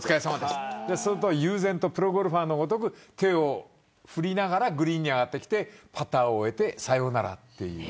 悠然とプロゴルファーのごとく手を振りながらグリーンに上がってきてパターを終えて、さようなら。